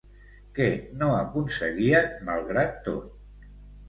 Què no aconseguien malgrat tot?